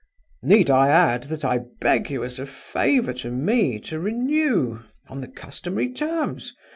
Need I add that I beg you as a favor to me to renew, on the customary terms?